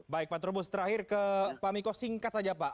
baik pak trubus terakhir ke pak miko singkat saja pak